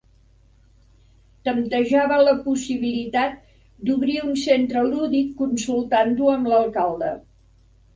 Temptejava la possibilitat d'obrir un centre lúdic consultant-ho amb l'alcalde.